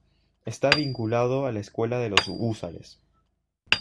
Está vinculado a la escuela de los Húsares.